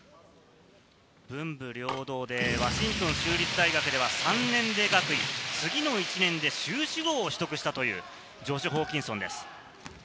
文武両道で、ワシントン州立大学では３年で学位、次の１年で修士号を取得したというジョシュ・ホーキンソンです。